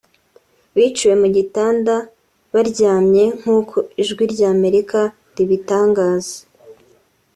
biciwe mu gitanda baryamye nk’uko Ijwi rya Amerika ribitangaza